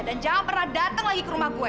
dan jangan pernah dateng lagi ke rumah gue